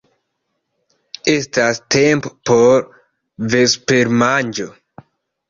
Estas tempo por vespermanĝo.